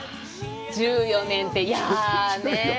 １４年って、いやぁねぇ。